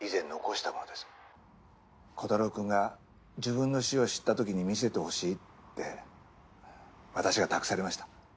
コタローくんが自分の死を知った時に見せてほしいって私が託されました。